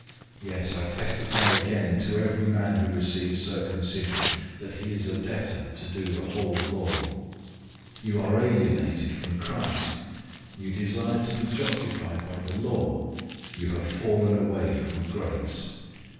005:003 Yes, I testify again to every man who receives circumcision, that he is a debtor to do the whole law. 005:004 You are alienated from Christ, you who desire to be justified by the law. You have fallen away from grace.